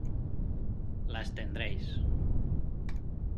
las tendréis.